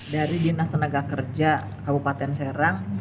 dari dinas tenaga kerja kabupaten serang